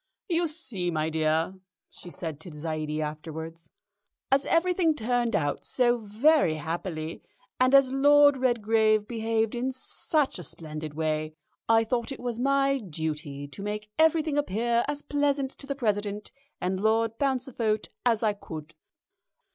"You see, my dear," she said to Zaidie afterwards, "as everything turned out so very happily, and as Lord Redgrave behaved in such a splendid way, I thought it was my duty to make everything appear as pleasant to the President and Lord Pauncefote as I could."